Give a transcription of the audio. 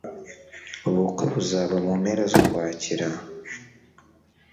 Ubukwe buzaba mu mpera z'Ukwakira.